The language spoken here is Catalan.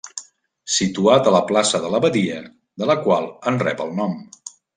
Situat a la plaça de l'Abadia, de la qual en rep el nom.